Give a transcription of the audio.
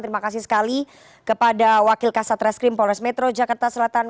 terima kasih sekali kepada wakil kasa trash cream polres metro jakarta selatan